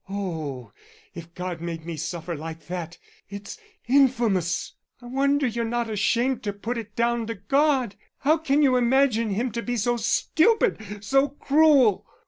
Oh, if God made me suffer like that, it's infamous. I wonder you're not ashamed to put it down to God. How can you imagine Him to be so stupid, so cruel!